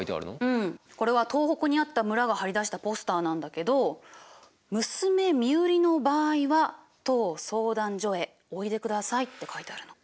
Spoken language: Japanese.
うんこれは東北にあった村が貼り出したポスターなんだけど「娘身売りの場合は当相談所へおいで下さい」って書いてあるの。